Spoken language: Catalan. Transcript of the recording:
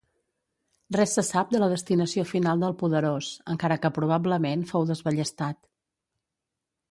Res se sap de la destinació final del Poderós, encara que probablement fou desballestat.